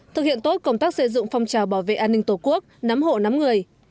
thực hiện tốt công tác xây dựng phong trào bảo vệ an ninh tổ quốc nắm hộ nắm người